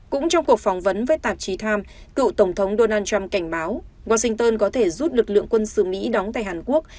cũng trong cuộc phỏng vấn với tạp chí times cựu tổng thống donald trump cảnh báo washington có thể rút lực lượng quân sự mỹ đóng tại hàn quốc